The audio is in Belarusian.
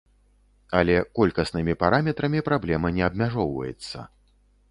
Але колькаснымі параметрамі праблема не абмяжоўваецца.